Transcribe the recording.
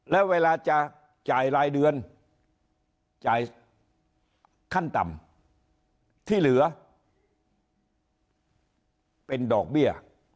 แล้วเวลาจะจ่ายรายเดือนจ่ายขั้นต่ำที่เหลือเป็นดอกเบี้ย